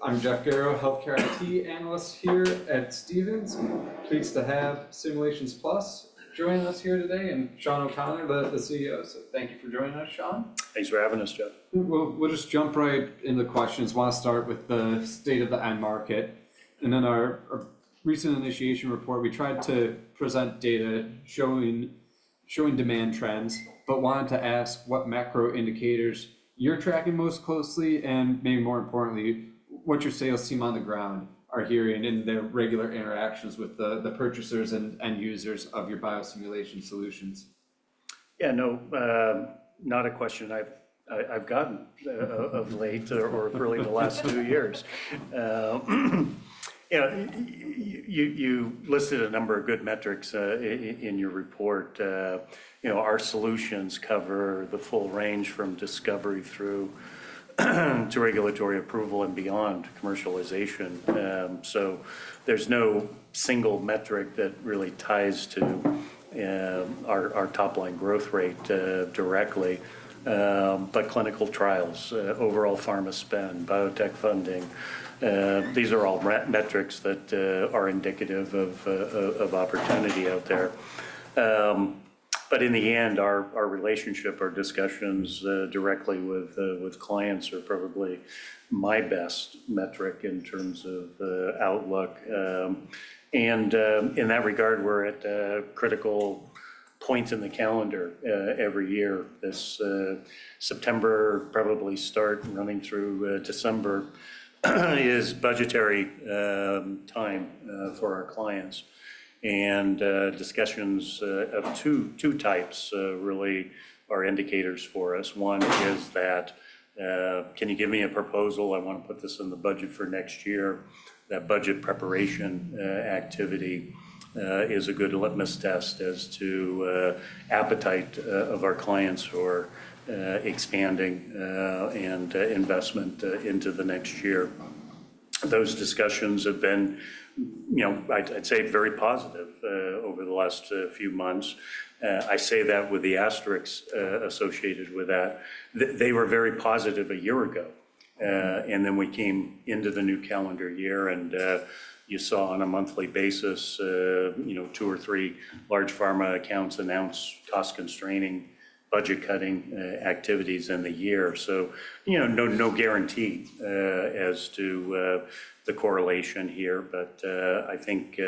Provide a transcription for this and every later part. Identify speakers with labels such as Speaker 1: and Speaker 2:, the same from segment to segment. Speaker 1: I'm Jeff Garro, Healthcare IT Analyst here at Stephens. Pleased to have Simulations Plus joining us here today, and Shawn O'Connor, the CEO. So thank you for joining us, Shawn.
Speaker 2: Thanks for having us, Jeff.
Speaker 1: We'll just jump right into the questions. I want to start with the state of the end market, and then our recent initiation report, we tried to present data showing demand trends, but wanted to ask what macro indicators you're tracking most closely, and maybe more importantly, what your sales team on the ground are hearing in their regular interactions with the purchasers and end users of your biosimulation solutions.
Speaker 2: Yeah, no, not a question I've gotten of late or really the last few years. You listed a number of good metrics in your report. Our solutions cover the full range from discovery through regulatory approval and beyond commercialization. So there's no single metric that really ties to our top-line growth rate directly, but clinical trials, overall pharma spend, biotech funding. These are all metrics that are indicative of opportunity out there. But in the end, our relationship, our discussions directly with clients are probably my best metric in terms of outlook. And in that regard, we're at critical points in the calendar every year. This September, probably start running through December, is budgetary time for our clients. And discussions of two types really are indicators for us. One is that, can you give me a proposal? I want to put this in the budget for next year. That budget preparation activity is a good litmus test as to appetite of our clients for expanding and investment into the next year. Those discussions have been, I'd say, very positive over the last few months. I say that with the asterisks associated with that. They were very positive a year ago, and then we came into the new calendar year, and you saw on a monthly basis, two or three large pharma accounts announce cost-constraining, budget-cutting activities in the year, so no guarantee as to the correlation here, but I think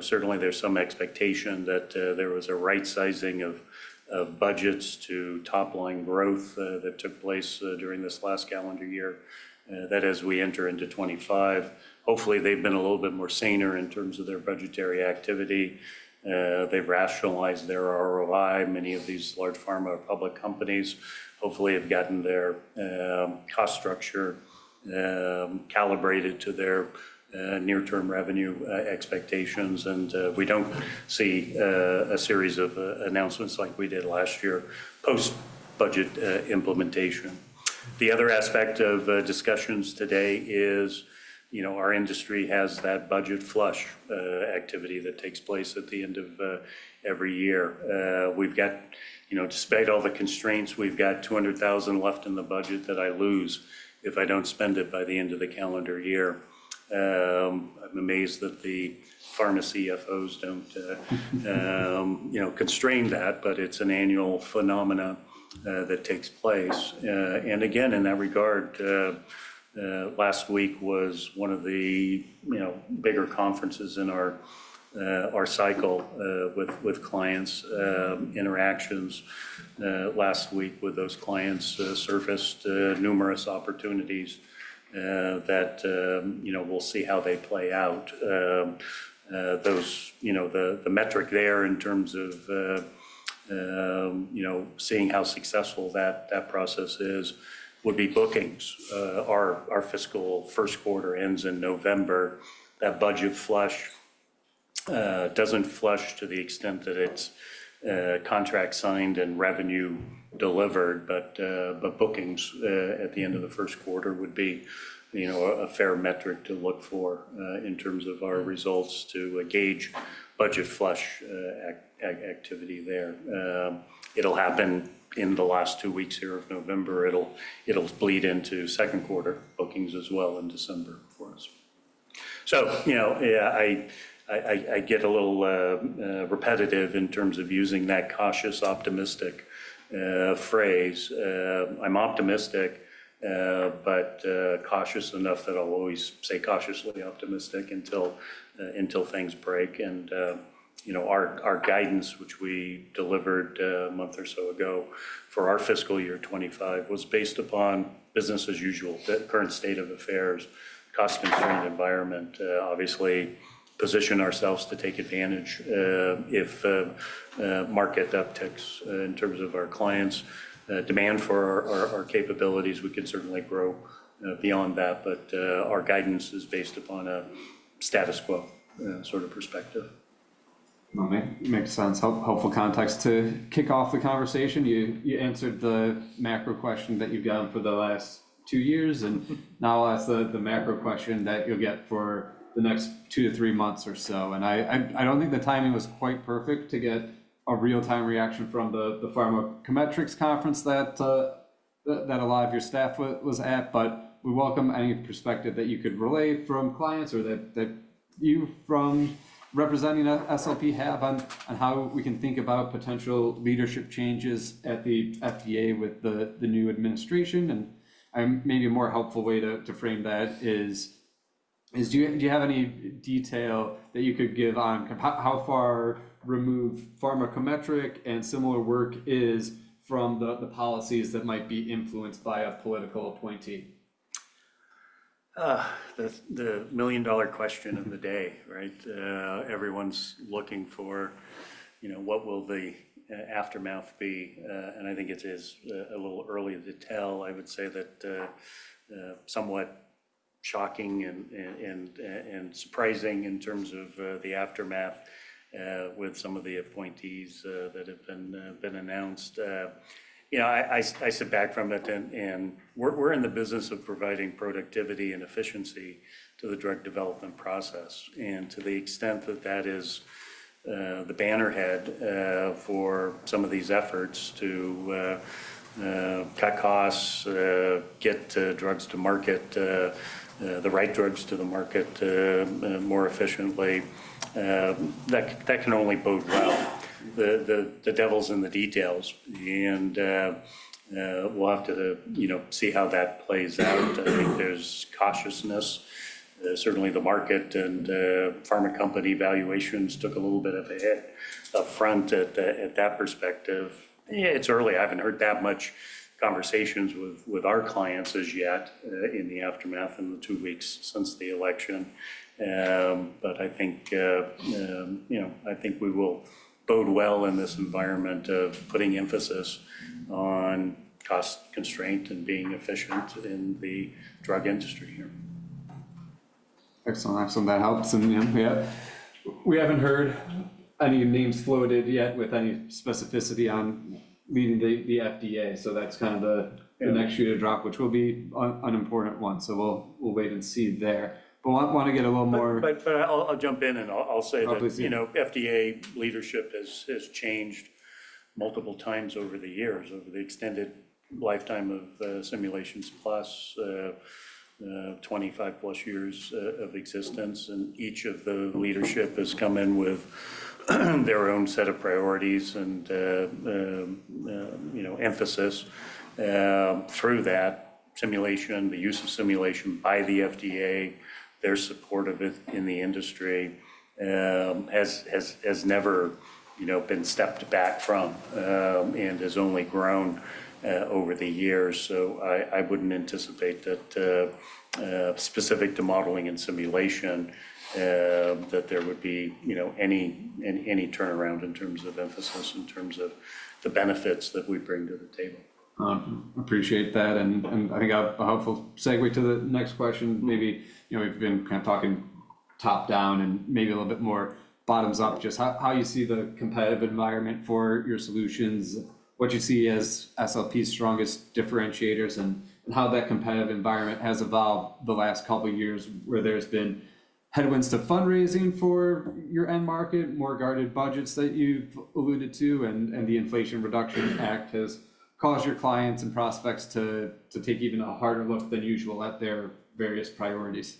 Speaker 2: certainly there's some expectation that there was a right-sizing of budgets to top-line growth that took place during this last calendar year, that as we enter into 2025, hopefully they've been a little bit more saner in terms of their budgetary activity. They've rationalized their ROI. Many of these large pharma public companies hopefully have gotten their cost structure calibrated to their near-term revenue expectations. And we don't see a series of announcements like we did last year post-budget implementation. The other aspect of discussions today is our industry has that budget flush activity that takes place at the end of every year. We've got, despite all the constraints, we've got $200,000 left in the budget that I lose if I don't spend it by the end of the calendar year. I'm amazed that the pharma CFOs don't constrain that, but it's an annual phenomenon that takes place. And again, in that regard, last week was one of the bigger conferences in our cycle with clients' interactions. Last week with those clients surfaced numerous opportunities that we'll see how they play out. The metric there in terms of seeing how successful that process is would be bookings. Our fiscal first quarter ends in November. That budget flush doesn't flush to the extent that it's contract signed and revenue delivered, but bookings at the end of the first quarter would be a fair metric to look for in terms of our results to gauge budget flush activity there. It'll happen in the last two weeks here of November. It'll bleed into second quarter bookings as well in December for us. So I get a little repetitive in terms of using that cautious optimistic phrase. I'm optimistic, but cautious enough that I'll always say cautiously optimistic until things break. And our guidance, which we delivered a month or so ago for our fiscal year 2025, was based upon business as usual, current state of affairs, cost-constrained environment. Obviously, position ourselves to take advantage if market upticks in terms of our clients' demand for our capabilities. We can certainly grow beyond that, but our guidance is based upon a status quo sort of perspective.
Speaker 1: Makes sense. Helpful context to kick off the conversation. You answered the macro question that you've gotten for the last two years, and now I'll ask the macro question that you'll get for the next two to three months or so. And I don't think the timing was quite perfect to get a real-time reaction from the Pharmacometrics conference that a lot of your staff was at, but we welcome any perspective that you could relay from clients or that you from representing SLP have on how we can think about potential leadership changes at the FDA with the new administration. And maybe a more helpful way to frame that is, do you have any detail that you could give on how far removed Pharmacometrics and similar work is from the policies that might be influenced by a political appointee?
Speaker 2: The million-dollar question of the day, right? Everyone's looking for what will the aftermath be. And I think it is a little early to tell. I would say that somewhat shocking and surprising in terms of the aftermath with some of the appointees that have been announced. I sit back from it, and we're in the business of providing productivity and efficiency to the drug development process. And to the extent that that is the banner head for some of these efforts to cut costs, get drugs to market, the right drugs to the market more efficiently, that can only bode well. The devil's in the details, and we'll have to see how that plays out. I think there's cautiousness. Certainly, the market and pharma company valuations took a little bit of a hit upfront at that perspective. It's early. I haven't heard that much conversations with our clients as yet in the aftermath in the two weeks since the election, but I think we will bode well in this environment of putting emphasis on cost constraint and being efficient in the drug industry here.
Speaker 1: Excellent. Excellent. That helps, and yeah, we haven't heard any names floated yet with any specificity on leading the FDA, so that's kind of the next name to drop, which will be an important one, so we'll wait and see there, but I want to get a little more.
Speaker 2: But I'll jump in and I'll say that FDA leadership has changed multiple times over the years, over the extended lifetime of Simulations Plus, 25-plus years of existence. And each of the leadership has come in with their own set of priorities and emphasis through that simulation, the use of simulation by the FDA, their support of it in the industry has never been stepped back from and has only grown over the years. So I wouldn't anticipate that specific to modeling and simulation that there would be any turnaround in terms of emphasis, in terms of the benefits that we bring to the table.
Speaker 1: I appreciate that, and I think a helpful segue to the next question. Maybe we've been kind of talking top-down and maybe a little bit more bottoms-up, just how you see the competitive environment for your solutions, what you see as SLP's strongest differentiators, and how that competitive environment has evolved the last couple of years where there's been headwinds to fundraising for your end market, more guarded budgets that you've alluded to, and the Inflation Reduction Act has caused your clients and prospects to take even a harder look than usual at their various priorities?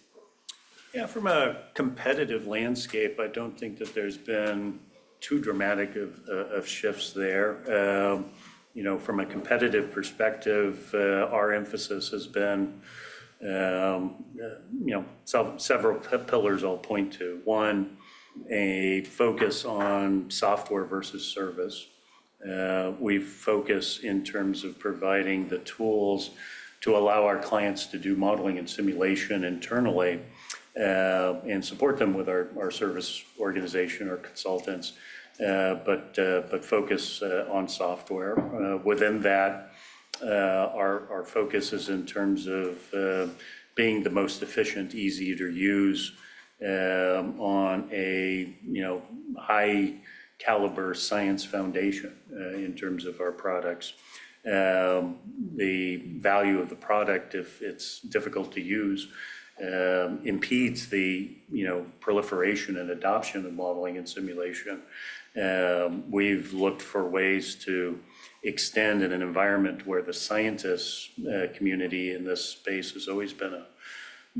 Speaker 2: Yeah, from a competitive landscape, I don't think that there's been too dramatic of shifts there. From a competitive perspective, our emphasis has been several pillars I'll point to. One, a focus on software versus service. We focus in terms of providing the tools to allow our clients to do modeling and simulation internally and support them with our service organization, our consultants, but focus on software. Within that, our focus is in terms of being the most efficient, easy to use on a high-caliber science foundation in terms of our products. The value of the product, if it's difficult to use, impedes the proliferation and adoption of modeling and simulation. We've looked for ways to extend in an environment where the scientist community in this space has always been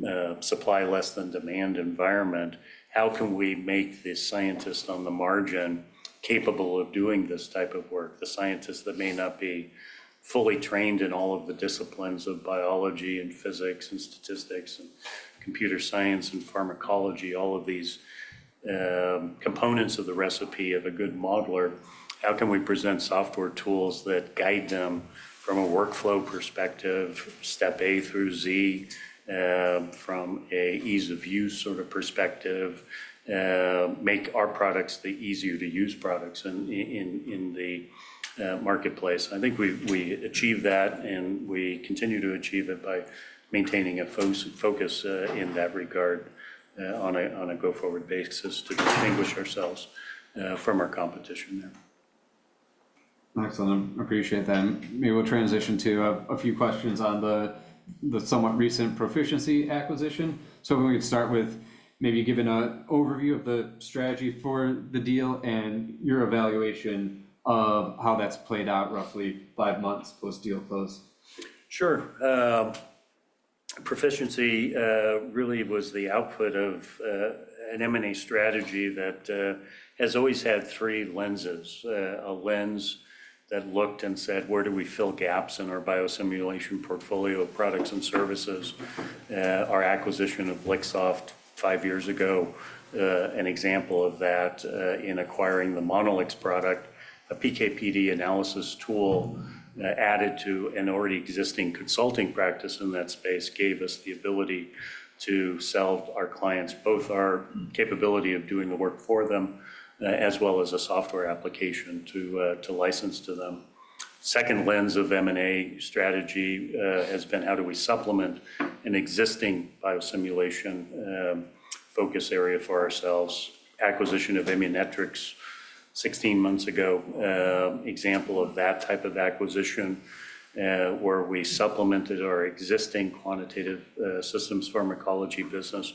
Speaker 2: a supply less than demand environment. How can we make the scientists on the margin capable of doing this type of work, the scientists that may not be fully trained in all of the disciplines of biology and physics and statistics and computer science and pharmacology, all of these components of the recipe of a good modeler? How can we present software tools that guide them from workflow perspective, step a through z, from an ease-of-use sort of perspective, make our products the easier-to-use products in the marketplace? I think we achieve that, and we continue to achieve it by maintaining a focus in that regard on a go-forward basis to distinguish ourselves from our competition there.
Speaker 1: Excellent. I appreciate that. Maybe we'll transition to a few questions on the somewhat recent Pro-ficiency acquisition. So we can start with maybe giving an overview of the strategy for the deal and your evaluation of how that's played out roughly five months post-deal close.
Speaker 2: Sure. Pro-ficiency really was the output of an M&A strategy that has always had three lenses: a lens that looked and said, "Where do we fill gaps in our biosimulation portfolio of products and services?" Our acquisition of Lixoft five years ago, an example of that in acquiring the Monolix product, a PKPD analysis tool added to an already existing consulting practice in that space, gave us the ability to sell our clients both our capability of doing the work for them as well as a software application to license to them. Second lens of M&A strategy has been, "How do we supplement an existing biosimulation focus area for ourselves?" Acquisition of Immunetrics 16 months ago example of that type of acquisition where we supplemented our existing quantitative systems pharmacology business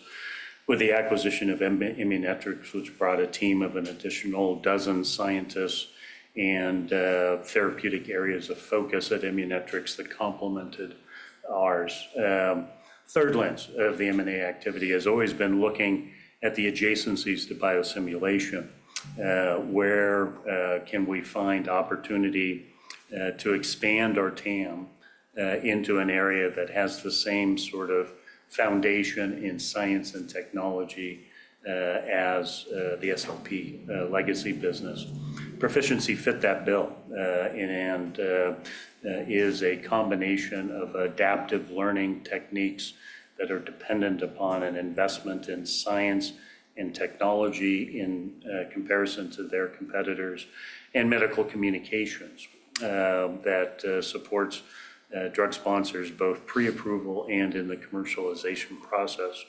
Speaker 2: with the acquisition of Immunetrics, which brought a team of an additional dozen scientists and therapeutic areas of focus at Immunetrics that complemented ours. Third lens of the M&A activity has always been looking at the adjacencies to biosimulation. Where can we find opportunity to expand our TAM into an area that has the same sort of foundation in science and technology as the SLP legacy business? Pro-ficiency fit that bill and is a combination of adaptive learning techniques that are dependent upon an investment in science and technology in comparison to their competitors and medical communications that supports drug sponsors both pre-approval and in the commercialization process.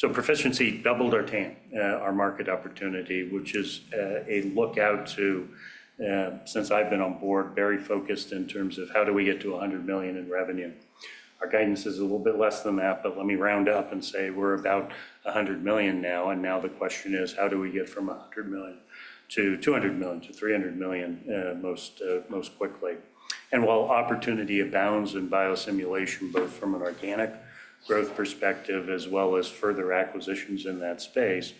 Speaker 2: Pro-ficiency doubled our market opportunity, which is aligned to since I've been on board very focused in terms of how do we get to $100 million in revenue. Our guidance is a little bit less than that, but let me round up and say we're about $100 million now. Now the question is, how do we get from $100 million to $200 million to $300 million most quickly? While opportunity abounds in biosimulation, both from an organic growth perspective as well as further acquisitions in that space,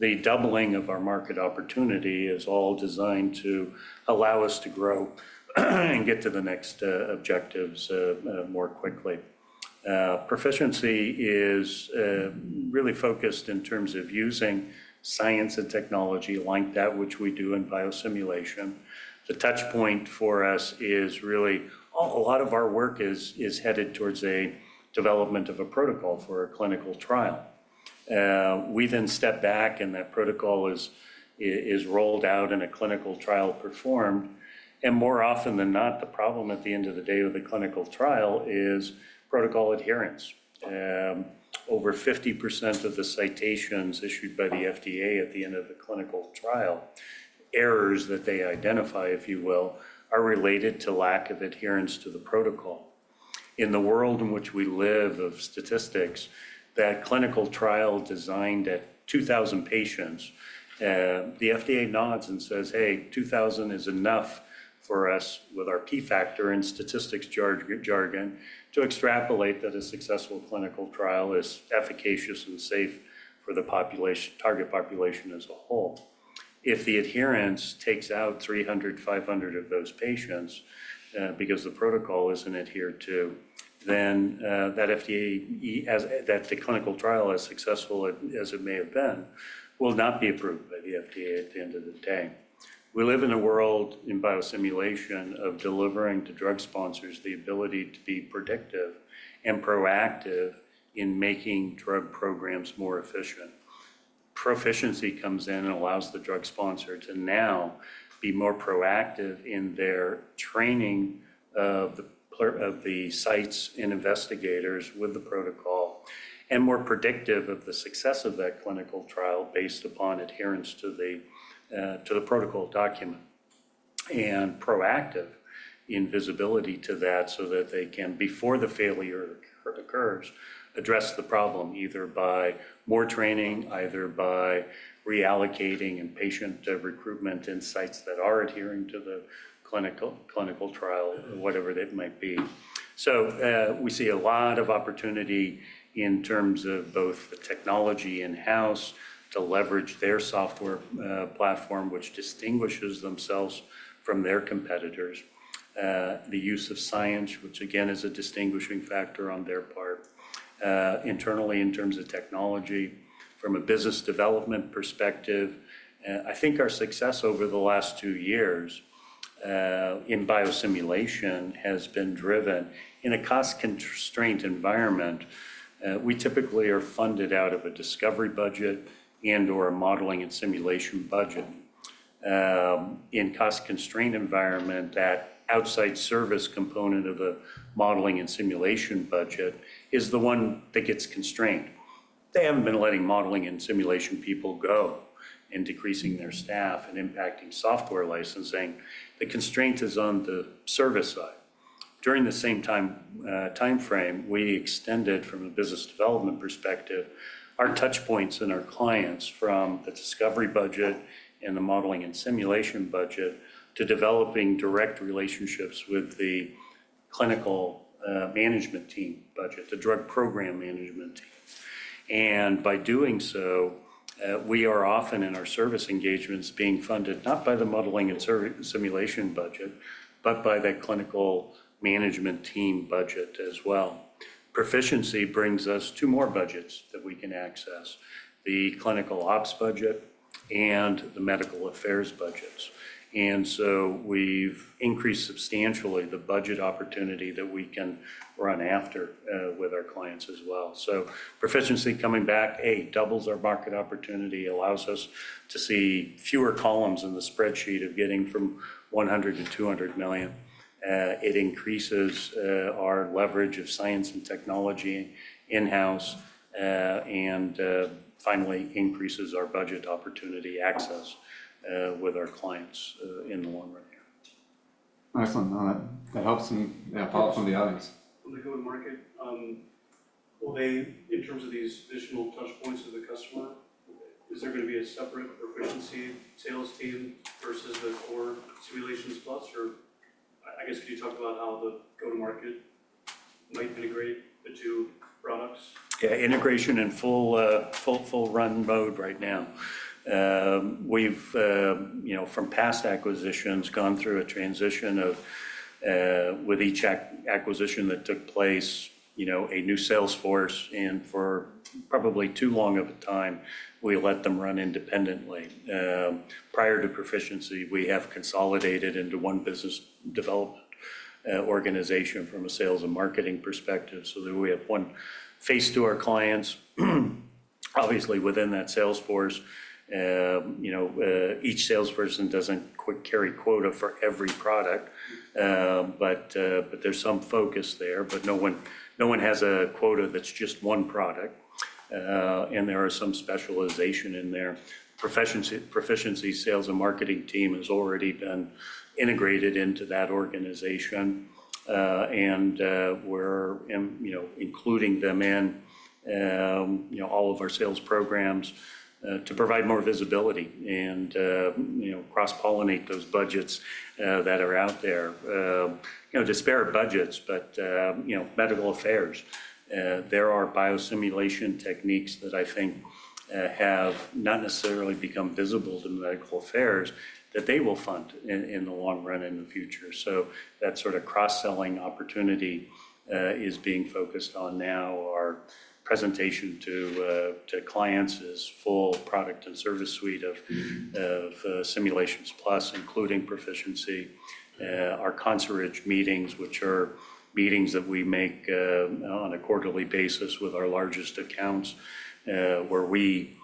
Speaker 2: the doubling of our market opportunity is all designed to allow us to grow and get to the next objectives more quickly. Pro-ficiency is really focused in terms of using science and technology like that, which we do in biosimulation. The touchpoint for us is really a lot of our work is headed towards a development of a protocol for a clinical trial. We then step back and that protocol is rolled out and a clinical trial performed. More often than not, the problem at the end of the day of the clinical trial is protocol adherence. Over 50% of the citations issued by the FDA at the end of the clinical trial, errors that they identify, if you will, are related to lack of adherence to the protocol. In the world in which we live of statistics, that clinical trial designed at 2,000 patients, the FDA nods and says, "Hey, 2,000 is enough for us with our key factor and statistics jargon to extrapolate that a successful clinical trial is efficacious and safe for the target population as a whole." If the adherence takes out 300-500 of those patients because the protocol isn't adhered to, then that the clinical trial is successful as it may have been will not be approved by the FDA at the end of the day. We live in a world in biosimulation of delivering to drug sponsors the ability to be predictive and proactive in making drug programs more efficient. Pro-ficiency comes in and allows the drug sponsor to now be more proactive in their training of the sites and investigators with the protocol and more predictive of the success of that clinical trial based upon adherence to the protocol document and proactive in visibility to that so that they can, before the failure occurs, address the problem either by more training, either by reallocating and patient recruitment in sites that are adhering to the clinical trial, whatever that might be. So we see a lot of opportunity in terms of both the technology in-house to leverage their software platform, which distinguishes themselves from their competitors, the use of science, which again is a distinguishing factor on their part internally in terms of technology. From a business development perspective, I think our success over the last two years in biosimulation has been driven in a cost-constrained environment. We typically are funded out of a discovery budget and/or a modeling and simulation budget. In a cost-constrained environment, that outside service component of the modeling and simulation budget is the one that gets constrained. They haven't been letting modeling and simulation people go and decreasing their staff and impacting software licensing. The constraint is on the service side. During the same time frame, we extended from a business development perspective our touchpoints and our clients from the discovery budget and the modeling and simulation budget to developing direct relationships with the clinical management team budget, the drug program management team, and by doing so, we are often in our service engagements being funded not by the modeling and simulation budget, but by that clinical management team budget as well. Pro-ficiency brings us two more budgets that we can access: the clinical ops budget and the medical affairs budgets. And so we've increased substantially the budget opportunity that we can run after with our clients as well. So Pro-ficiency coming back, A, doubles our market opportunity, allows us to see fewer columns in the spreadsheet of getting from $100 million-$200 million. It increases our leverage of science and technology in-house and finally increases our budget opportunity access with our clients in the long run here.
Speaker 1: Excellent. That helps. Some follow-up from the audience.
Speaker 3: On the go-to-market, will they, in terms of these additional touchpoints with the customer, is there going to be a separate Pro-ficiency sales team versus the core Simulations Plus? Or I guess could you talk about how the go-to-market might integrate the two products?
Speaker 2: Yeah, integration and full-run mode right now. We've, from past acquisitions, gone through a transition of, with each acquisition that took place, a new sales force, and for probably too long of a time, we let them run independently. Prior to Pro-ficiency, we have consolidated into one business development organization from a sales and marketing perspective so that we have one face to our clients. Obviously, within that sales force, each salesperson doesn't carry quota for every product, but there's some focus there, but no one has a quota that's just one product, and there are some specialization in there. Pro-ficiency sales and marketing team has already been integrated into that organization, and we're including them in all of our sales programs to provide more visibility and cross-pollinate those budgets that are out there, separate budgets, but medical affairs. There are biosimulation techniques that I think have not necessarily become visible to medical affairs that they will fund in the long run in the future, so that sort of cross-selling opportunity is being focused on now. Our presentation to clients is full product and service suite of Simulations Plus, including Pro-ficiency. Our Concierge meetings, which are meetings that we make on a quarterly basis with our largest accounts where we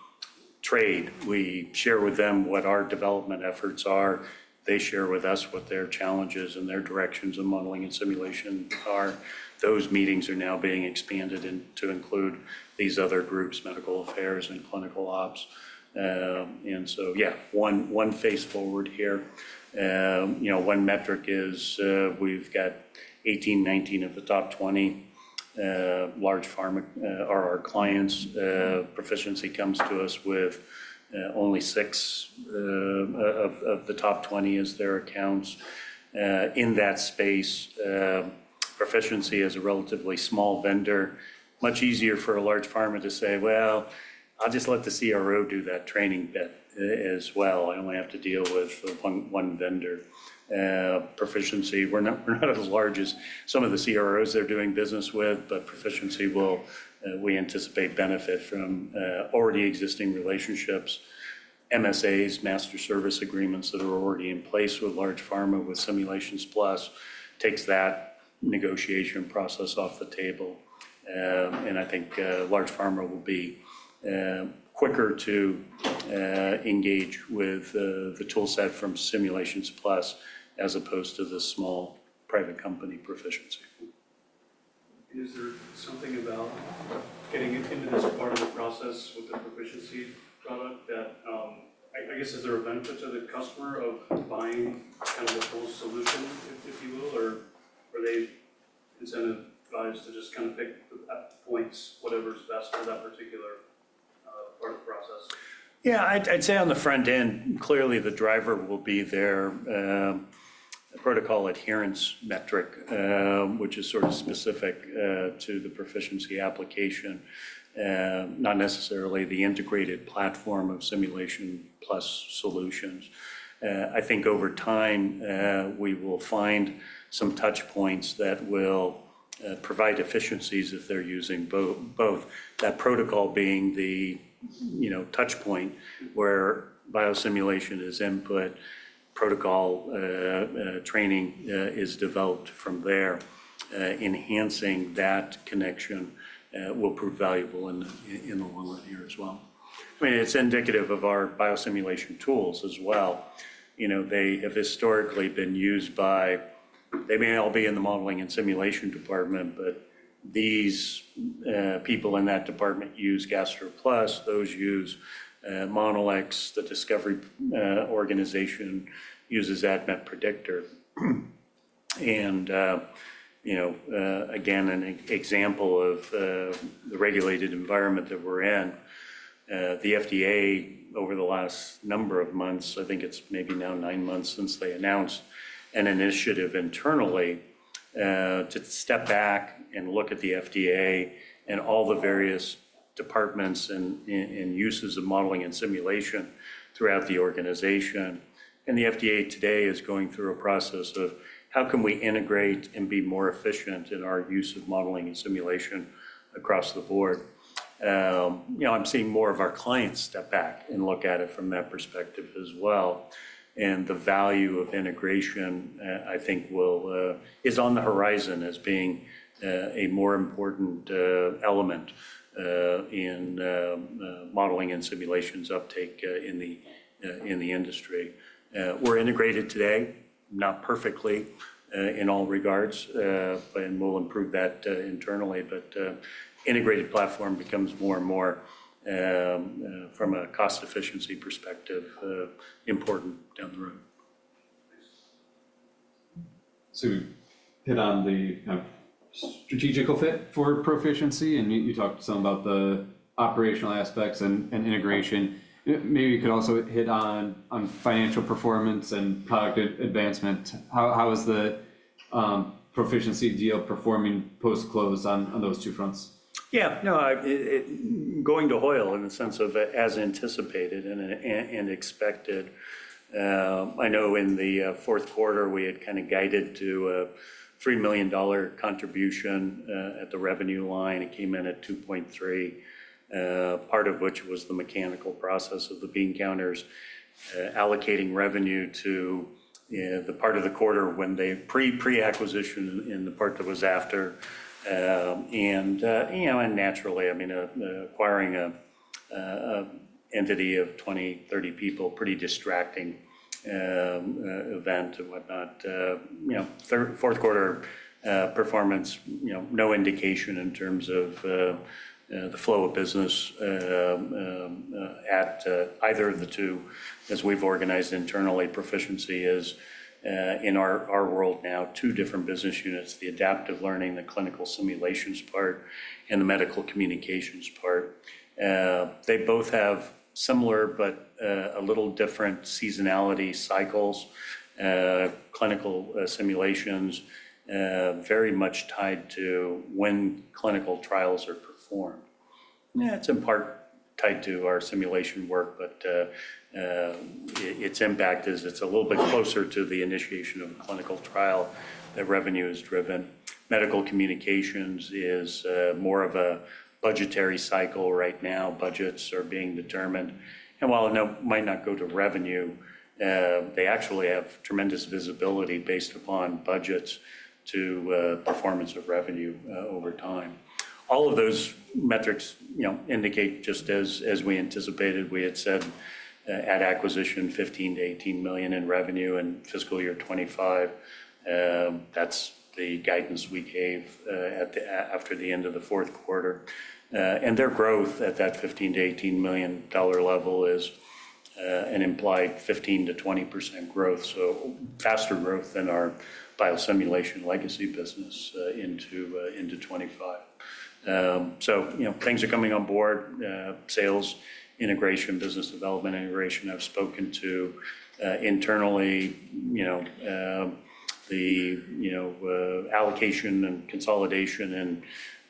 Speaker 2: trade. We share with them what our development efforts are. They share with us what their challenges and their directions of modeling and simulation are. Those meetings are now being expanded to include these other groups, medical affairs and clinical ops, and so, yeah, one face forward here. One metric is we've got 18, 19 of the top 20 large pharma are our clients. Pro-ficiency comes to us with only six of the top 20 as their accounts in that space. Pro-ficiency is a relatively small vendor. Much easier for a large pharma to say, "Well, I'll just let the CRO do that training bit as well. I only have to deal with one vendor." Pro-ficiency, we're not as large as some of the CROs they're doing business with, but Pro-ficiency, we anticipate benefit from already existing relationships. MSAs, master service agreements that are already in place with large pharma with Simulations Plus takes that negotiation process off the table. I think large pharma will be quicker to engage with the toolset from Simulations Plus as opposed to the small private company Pro-ficiency.
Speaker 3: Is there something about getting into this part of the process with the Pro-ficiency product that I guess, is there a benefit to the customer of buying kind of the full solution, if you will? Or are they incentivized to just kind of pick the points?
Speaker 2: Yeah, I'd say on the front end, clearly the driver will be their protocol adherence metric, which is sort of specific to the proficiency application, not necessarily the integrated platform of Simulations Plus solutions. I think over time, we will find some touchpoints that will provide efficiencies if they're using both. That protocol being the touchpoint where biosimulation is input, protocol training is developed from there. Enhancing that connection will prove valuable in the long run here as well. I mean, it's indicative of our biosimulation tools as well. They have historically been used by, they may all be in the modeling and simulation department, but these people in that department use GastroPlus. Those use Monolix, the discovery organization uses ADMET Predictor. And again, an example of the regulated environment that we're in. The FDA over the last number of months, I think it's maybe now nine months since they announced an initiative internally to step back and look at the FDA and all the various departments and uses of modeling and simulation throughout the organization. And the FDA today is going through a process of how can we integrate and be more efficient in our use of modeling and simulation across the board. I'm seeing more of our clients step back and look at it from that perspective as well. And the value of integration, I think, is on the horizon as being a more important element in modeling and simulations uptake in the industry. We're integrated today, not perfectly in all regards, and we'll improve that internally, but integrated platform becomes more and more from a cost efficiency perspective important down the road.
Speaker 1: So we hit on the kind of strategic effect for Pro-ficiency, and you talked some about the operational aspects and integration. Maybe you could also hit on financial performance and product advancement. How is the Pro-ficiency deal performing post-close on those two fronts?
Speaker 2: Yeah, no, going to plan in the sense of as anticipated and expected. I know in the fourth quarter, we had kind of guided to a $3 million contribution at the revenue line. It came in at $2.3 million, part of which was the mechanical process of the bean counters allocating revenue to the part of the quarter pre-acquisition and the part that was after. And naturally, I mean, acquiring an entity of 20, 30 people, pretty distracting event and whatnot. Fourth quarter performance, no indication in terms of the flow of business at either of the two. As we've organized internally, Pro-ficiency is in our world now, two different business units, the adaptive learning, the clinical simulations part, and the medical communications part. They both have similar, but a little different seasonality cycles, clinical simulations, very much tied to when clinical trials are performed. It's in part tied to our simulation work, but its impact is it's a little bit closer to the initiation of a clinical trial that revenue is driven. Medical communications is more of a budgetary cycle right now. Budgets are being determined, and while it might not go to revenue, they actually have tremendous visibility based upon budgets to performance of revenue over time. All of those metrics indicate just as we anticipated, we had said at acquisition, $15 million-$18 million in revenue in fiscal year 25. That's the guidance we gave after the end of the fourth quarter, and their growth at that $15 million-$18 million level is an implied 15%-20% growth, so faster growth than our biosimulation legacy business into 25, so things are coming on board: sales, integration, business development, integration. I've spoken to internally the allocation and consolidation and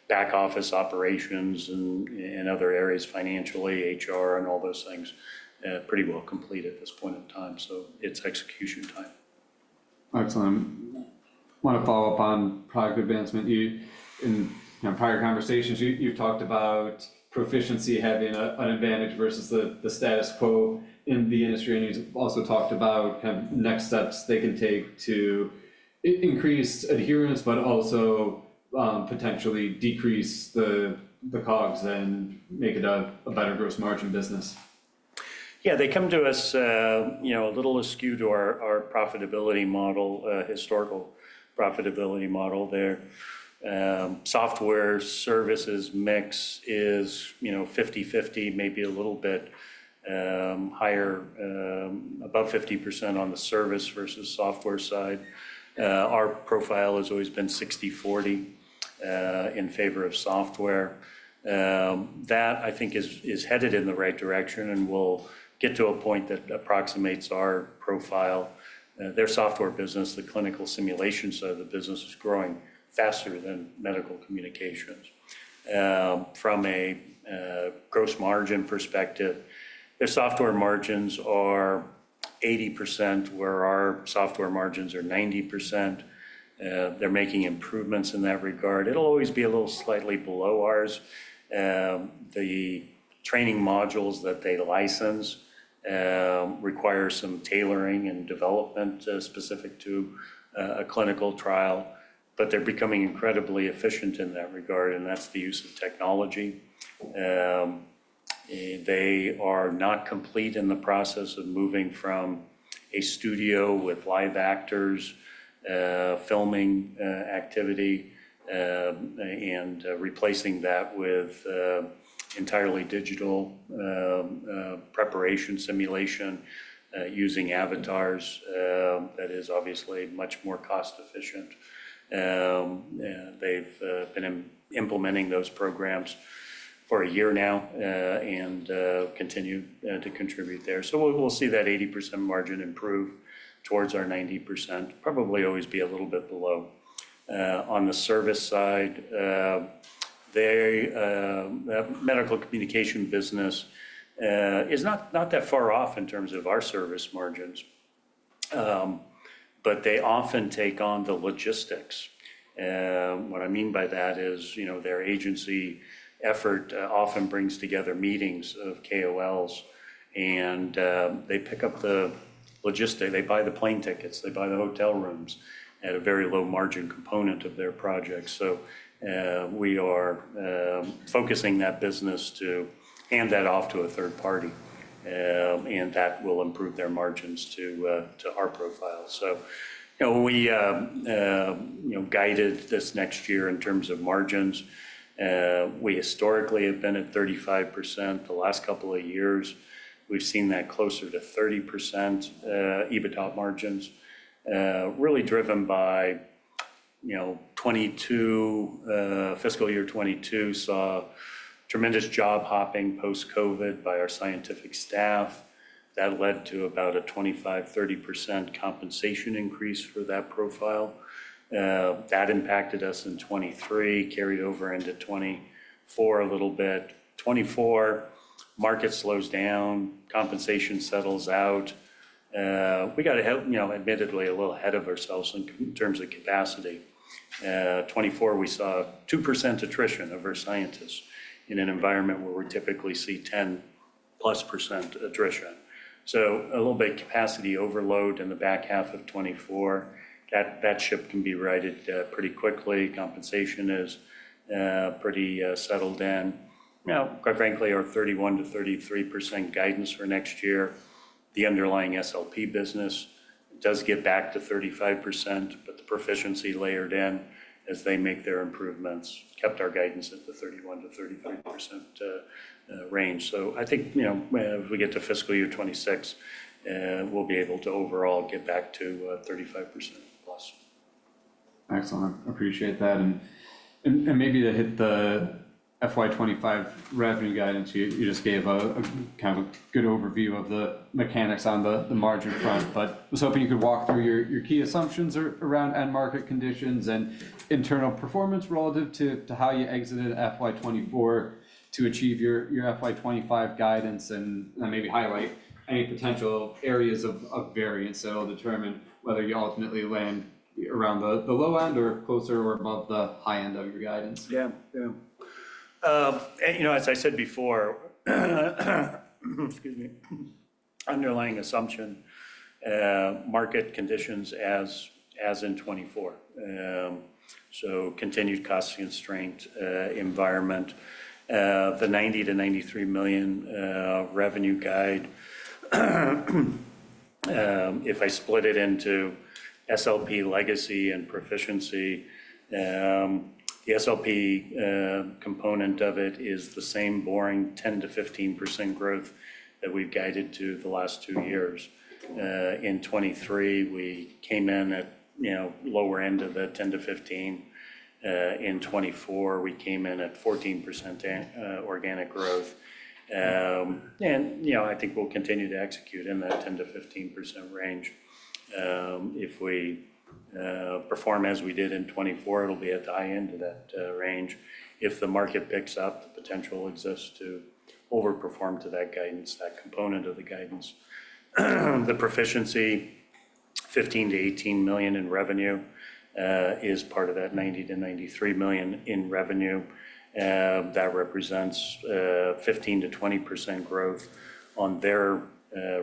Speaker 2: back office operations and other areas, financially, HR, and all those things pretty well complete at this point in time. So it's execution time.
Speaker 1: Excellent. I want to follow up on product advancement. In prior conversations, you've talked about Pro-ficiency having an advantage versus the status quo in the industry. And you've also talked about kind of next steps they can take to increase adherence, but also potentially decrease the COGS and make it a better gross margin business.
Speaker 2: Yeah, they come to us a little askew to our profitability model, historical profitability model there. Software services mix is 50/50, maybe a little bit higher, above 50% on the service versus software side. Our profile has always been 60/40 in favor of software. That I think is headed in the right direction and will get to a point that approximates our profile. Their software business, the clinical simulations of the business is growing faster than medical communications. From a gross margin perspective, their software margins are 80%, where our software margins are 90%. They're making improvements in that regard. It'll always be a little slightly below ours. The training modules that they license require some tailoring and development specific to a clinical trial, but they're becoming incredibly efficient in that regard, and that's the use of technology. They are not complete in the process of moving from a studio with live actors filming activity and replacing that with entirely digital preparation simulation using avatars that is obviously much more cost efficient. They've been implementing those programs for a year now and continue to contribute there, so we'll see that 80% margin improve towards our 90%, probably always be a little bit below. On the service side, the medical communication business is not that far off in terms of our service margins, but they often take on the logistics. What I mean by that is their agency effort often brings together meetings of KOLs, and they pick up the logistics. They buy the plane tickets. They buy the hotel rooms at a very low margin component of their project. So we are focusing that business to hand that off to a third party, and that will improve their margins to our profile. So we guided this next year in terms of margins. We historically have been at 35% the last couple of years. We've seen that closer to 30% EBITDA margins, really driven by 2022. Fiscal year 2022 saw tremendous job hopping post-COVID by our scientific staff. That led to about a 25%-30% compensation increase for that profile. That impacted us in 2023, carried over into 2024 a little bit. 2024, market slows down, compensation settles out. We got to help admittedly a little ahead of ourselves in terms of capacity. 2024, we saw 2% attrition of our scientists in an environment where we typically see 10+% attrition. So a little bit capacity overload in the back half of 2024. That ship can be righted pretty quickly. Compensation is pretty settled in. Quite frankly, our 31%-33% guidance for next year. The underlying SLP business does get back to 35%, but the Pro-ficiency layered in as they make their improvements kept our guidance at the 31%-33% range. So I think when we get to fiscal year 2026, we'll be able to overall get back to 35% plus.
Speaker 1: Excellent. I appreciate that. And maybe to hit the FY25 revenue guidance, you just gave a kind of a good overview of the mechanics on the margin front, but I was hoping you could walk through your key assumptions around end market conditions and internal performance relative to how you exited FY24 to achieve your FY25 guidance and maybe highlight any potential areas of variance that will determine whether you ultimately land around the low end or closer or above the high end of your guidance.
Speaker 2: Yeah, yeah. As I said before, underlying assumption, market conditions as in 2024. So continued cost constraint environment. The $90-$93 million revenue guide, if I split it into SLP legacy and Pro-ficiency, the SLP component of it is the same boring 10%-15% growth that we've guided to the last two years. In 2023, we came in at lower end of that 10%-15%. In 2024, we came in at 14% organic growth. And I think we'll continue to execute in that 10%-15% range. If we perform as we did in 2024, it'll be at the high end of that range. If the market picks up, the potential exists to overperform to that guidance, that component of the guidance. The Pro-ficiency $15-$18 million in revenue is part of that $90-$93 million in revenue. That represents 15%-20% growth on their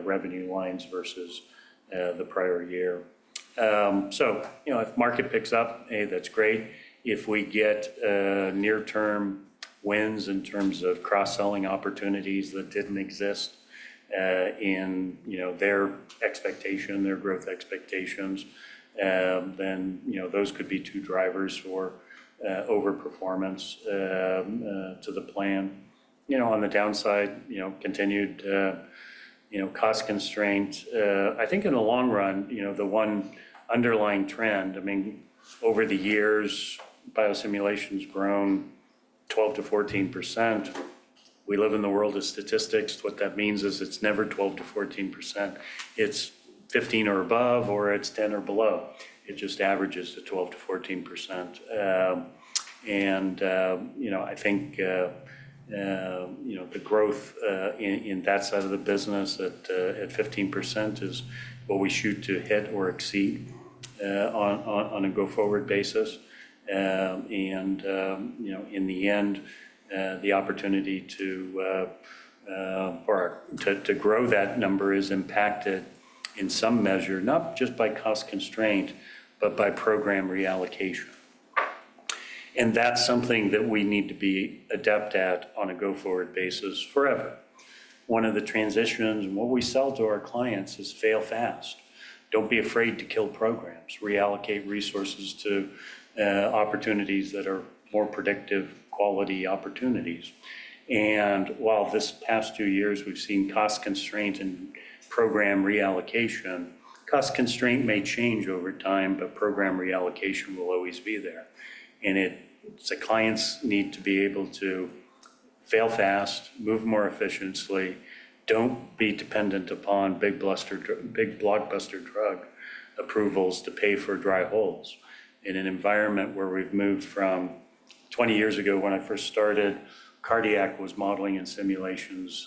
Speaker 2: revenue lines versus the prior year. So if market picks up, hey, that's great. If we get near-term wins in terms of cross-selling opportunities that didn't exist in their expectation, their growth expectations, then those could be two drivers for overperformance to the plan. On the downside, continued cost constraints. I think in the long run, the one underlying trend, I mean, over the years, biosimulation has grown 12%-14%. We live in the world of statistics. What that means is it's never 12%-14%. It's 15% or above, or it's 10% or below. It just averages to 12%-14%. And I think the growth in that side of the business at 15% is what we shoot to hit or exceed on a go-forward basis. In the end, the opportunity to grow that number is impacted in some measure, not just by cost constraint, but by program reallocation. That's something that we need to be adept at on a go-forward basis forever. One of the transitions and what we sell to our clients is fail fast. Don't be afraid to kill programs. Reallocate resources to opportunities that are more predictive quality opportunities. While this past two years, we've seen cost constraints and program reallocation, cost constraint may change over time, but program reallocation will always be there. The clients need to be able to fail fast, move more efficiently, don't be dependent upon big blockbuster drug approvals to pay for dry holes. In an environment where we've moved from 20 years ago when I first started, cardiac was modeling and simulations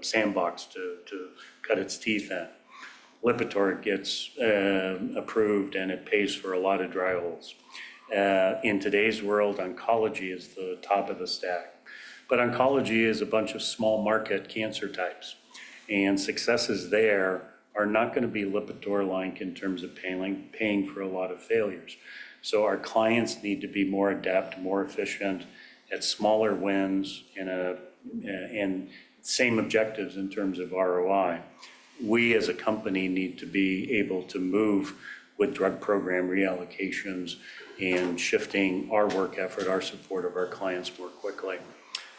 Speaker 2: sandbox to cut its teeth at. Lipitor gets approved, and it pays for a lot of dry holes. In today's world, oncology is the top of the stack, but oncology is a bunch of small market cancer types, and successes there are not going to be Lipitor-like in terms of paying for a lot of failures, so our clients need to be more adept, more efficient at smaller wins and same objectives in terms of ROI. We as a company need to be able to move with drug program reallocations and shifting our work effort, our support of our clients more quickly.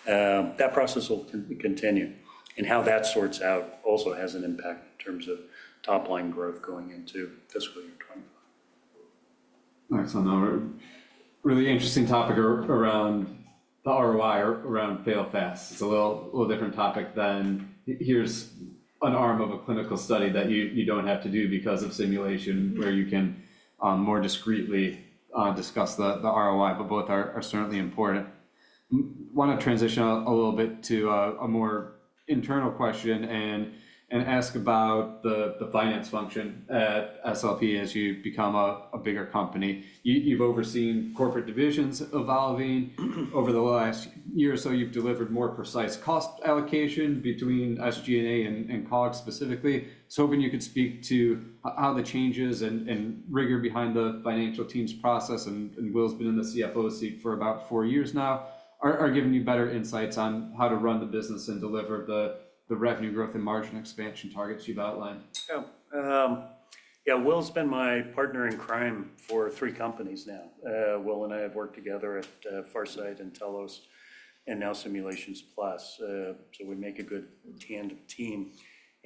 Speaker 2: That process will continue, and how that sorts out also has an impact in terms of top-line growth going into fiscal year 2025.
Speaker 1: Excellent. Really interesting topic around the ROI around fail fast. It's a little different topic than here's an arm of a clinical study that you don't have to do because of simulation where you can more discreetly discuss the ROI, but both are certainly important. I want to transition a little bit to a more internal question and ask about the finance function at SLP as you become a bigger company. You've overseen corporate divisions evolving over the last year or so. You've delivered more precise cost allocation between SG&A and COGS specifically. I was hoping you could speak to how the changes and rigor behind the financial team's process, and Will's been in the CFO seat for about four years now, are giving you better insights on how to run the business and deliver the revenue growth and margin expansion targets you've outlined.
Speaker 2: Yeah. Yeah, Will's been my partner in crime for three companies now. Will and I have worked together at Pharsight Entelos and now Simulations Plus. So we make a good team.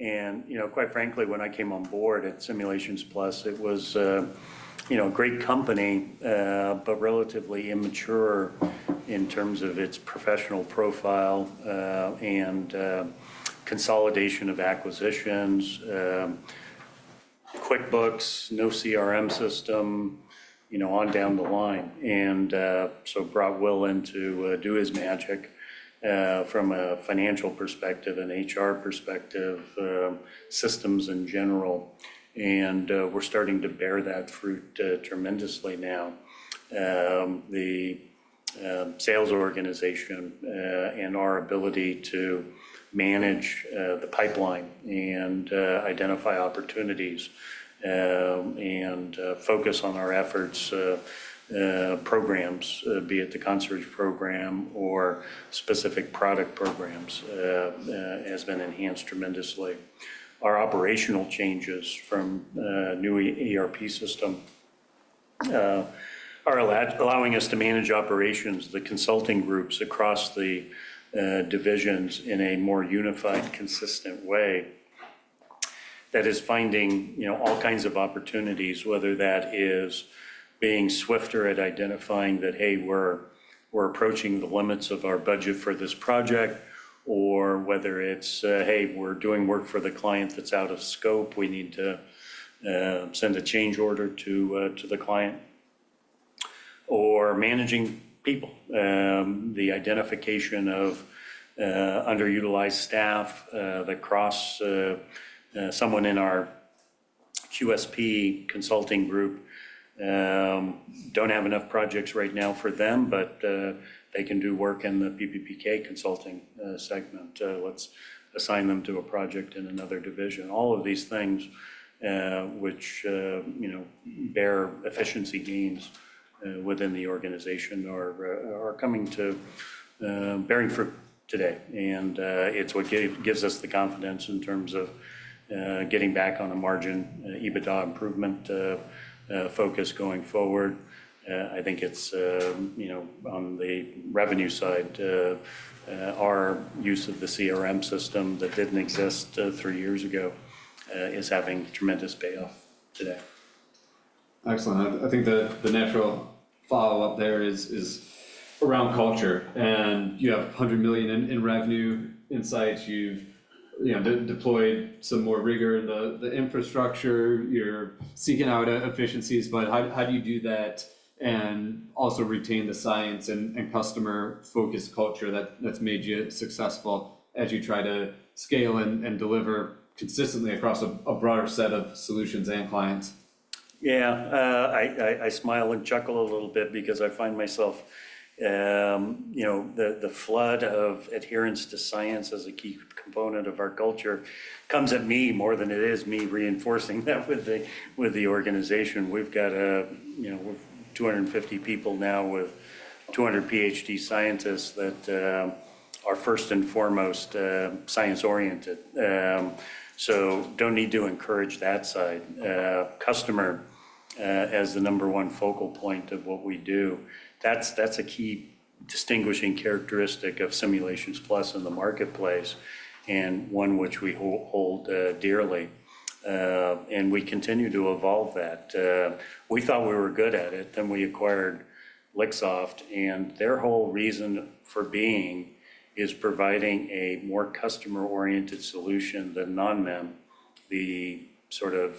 Speaker 2: And quite frankly, when I came on board at Simulations Plus, it was a great company, but relatively immature in terms of its professional profile and consolidation of acquisitions, QuickBooks, no CRM system, on down the line. And so brought Will in to do his magic from a financial perspective, an HR perspective, systems in general. And we're starting to bear that fruit tremendously now. The sales organization and our ability to manage the pipeline and identify opportunities and focus on our efforts, programs, be it the concierge program or specific product programs, has been enhanced tremendously. Our operational changes from new ERP system are allowing us to manage operations, the consulting groups across the divisions in a more unified, consistent way. That is finding all kinds of opportunities, whether that is being swifter at identifying that, hey, we're approaching the limits of our budget for this project, or whether it's, hey, we're doing work for the client that's out of scope. We need to send a change order to the client. Or managing people, the identification of underutilized staff that, say, someone in our QSP consulting group. Don't have enough projects right now for them, but they can do work in the PBPK consulting segment. Let's assign them to a project in another division. All of these things which bear efficiency gains within the organization are coming to bear fruit today. And it's what gives us the confidence in terms of getting back on the margin, EBITDA improvement focus going forward. I think it's on the revenue side, our use of the CRM system that didn't exist three years ago is having tremendous payoff today.
Speaker 1: Excellent. I think the natural follow-up there is around culture, and you have $100 million in revenue in sight. You've deployed some more rigor in the infrastructure. You're seeking out efficiencies, but how do you do that and also retain the science and customer-focused culture that's made you successful as you try to scale and deliver consistently across a broader set of solutions and clients?
Speaker 2: Yeah. I smile and chuckle a little bit because I find myself the flood of adherence to science as a key component of our culture comes at me more than it is me reinforcing that with the organization. We've got 250 people now with 200 PhD scientists that are first and foremost science-oriented. So don't need to encourage that side. Customer as the number one focal point of what we do. That's a key distinguishing characteristic of Simulations Plus in the marketplace and one which we hold dearly. And we continue to evolve that. We thought we were good at it. Then we acquired Lixoft. And their whole reason for being is providing a more customer-oriented solution than NONMEM, the sort of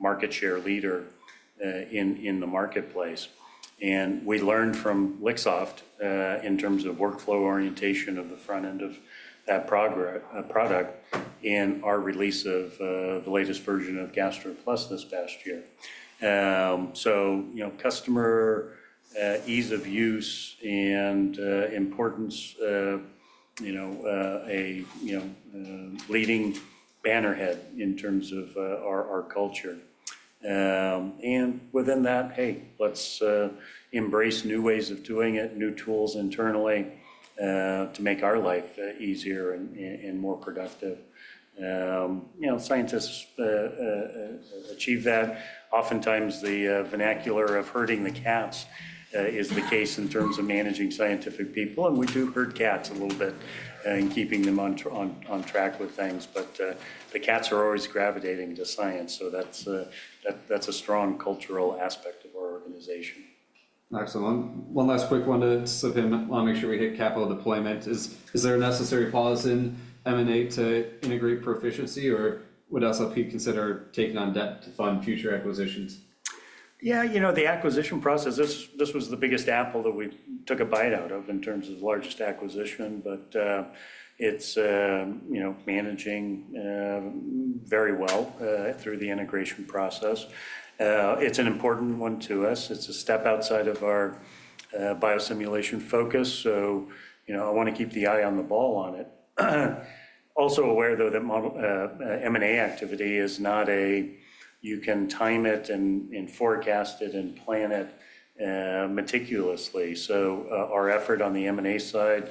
Speaker 2: market share leader in the marketplace. And we learned from Lixoft in terms of workflow orientation of the front end of that product and our release of the latest version of GastroPlus this past year. So customer ease of use and importance, a leading banner-head in terms of our culture. And within that, hey, let's embrace new ways of doing it, new tools internally to make our life easier and more productive. Scientists achieve that. Oftentimes, the vernacular of herding the cats is the case in terms of managing scientific people. And we do herd cats a little bit in keeping them on track with things. But the cats are always gravitating to science. So that's a strong cultural aspect of our organization.
Speaker 1: Excellent. One last quick one to submit. I want to make sure we hit capital deployment. Is there a necessary pause in M&A to integrate Pro-ficiency, or would SLP consider taking on debt to fund future acquisitions?
Speaker 2: Yeah, you know, the acquisition process, this was the biggest apple that we took a bite out of in terms of the largest acquisition. But it's managing very well through the integration process. It's an important one to us. It's a step outside of our biosimulation focus. So I want to keep the eye on the ball on it. Also aware, though, that M&A activity is not a you can time it and forecast it and plan it meticulously. So our effort on the M&A side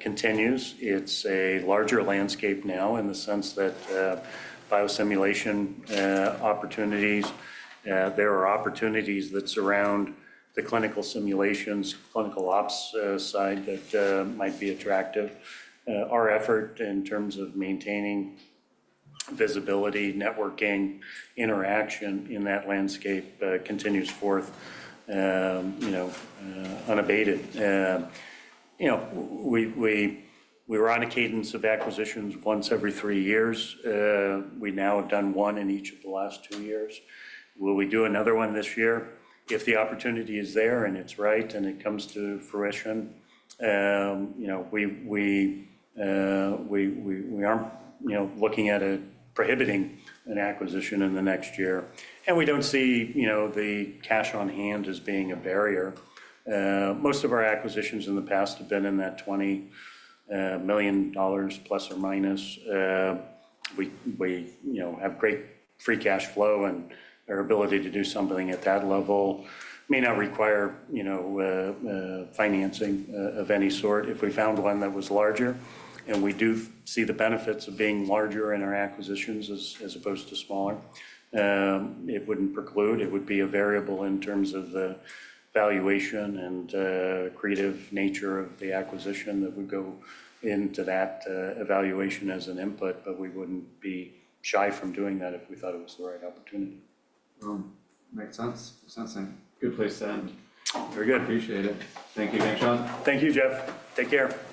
Speaker 2: continues. It's a larger landscape now in the sense that biosimulation opportunities, there are opportunities that surround the clinical simulations, clinical ops side that might be attractive. Our effort in terms of maintaining visibility, networking, interaction in that landscape continues forth unabated. We were on a cadence of acquisitions once every three years. We now have done one in each of the last two years. Will we do another one this year? If the opportunity is there and it's right and it comes to fruition, we aren't looking at prohibiting an acquisition in the next year. And we don't see the cash on hand as being a barrier. Most of our acquisitions in the past have been in that $20 million plus or minus. We have great free cash flow, and our ability to do something at that level may not require financing of any sort. If we found one that was larger, and we do see the benefits of being larger in our acquisitions as opposed to smaller, it wouldn't preclude. It would be a variable in terms of the valuation and creative nature of the acquisition that would go into that evaluation as an input, but we wouldn't be shy from doing that if we thought it was the right opportunity.
Speaker 1: Makes sense. Sounds like a good place to end.
Speaker 2: Very good.
Speaker 1: Appreciate it. Thank you, Shawn.
Speaker 2: Thank you, Jeff. Take care.